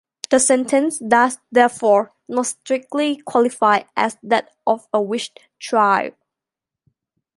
The sentence does therefore not strictly qualify as that of a witch trial.